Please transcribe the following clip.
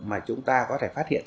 mà chúng ta có thể phát hiện